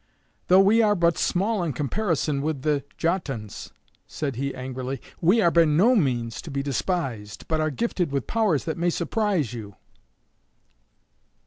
"Though we are but small in comparison with the Jötuns," said he angrily, "we are by no means to be despised, but are gifted with powers that may surprise you."